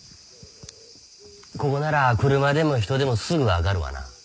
ここなら車でも人でもすぐわかるわな。